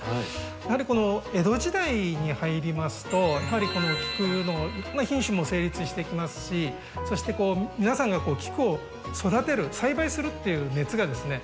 やはりこの江戸時代に入りますとこの菊の品種も成立してきますしそして皆さんが菊を育てる栽培するっていう熱がですね